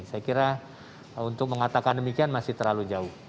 saya kira untuk mengatakan demikian masih terlalu jauh